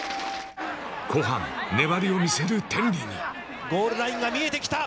後半、粘りを見せる天理にゴールラインが見えてきた。